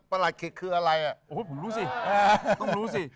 ประหลัดขิกคืออะไรโอ้โฮผมรู้สิต้องรู้สิ